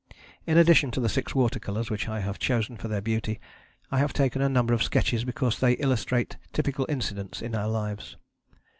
In addition to the six water colours, which I have chosen for their beauty, I have taken a number of sketches because they illustrate typical incidents in our lives.